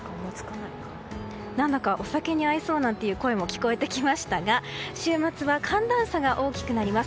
何だかお酒に合いそうなんていう声も聞こえてきましたが週末は寒暖差が大きくなります。